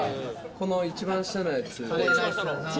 この一番下のやつ。